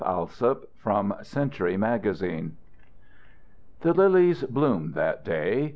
ALSOP From Century Magazine The lilies bloomed that day.